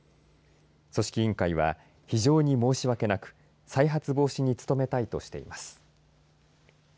組織委員会は非常に申し訳なく再発防止に努めたいとしています。